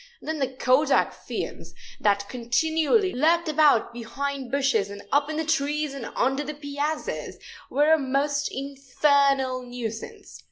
Then the kodak fiends, that continually lurked about behind bushes and up in the trees and under the piazzas, were a most infernal nuisance.